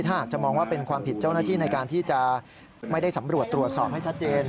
ถ้าหากจะมองว่าเป็นความผิดเจ้าหน้าที่ในการที่จะไม่ได้สำรวจตรวจสอบให้ชัดเจน